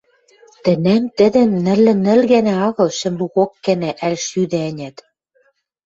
Тӹнӓм тӹдӹ нӹллӹ нӹл гӓнӓ агыл, а шӹмлу кок гӓнӓ, ӓль шӱдӹ, ӓнят